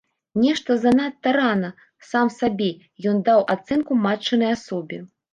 Нешта занадта рана, сам сабе, ён даў ацэнку матчынай асобе.